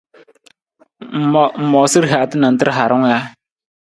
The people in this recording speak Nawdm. Ng moosa rihaata nantar harung ja?